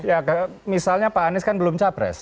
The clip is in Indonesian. ya misalnya pak anies kan belum capres